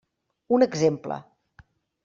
Un exemple.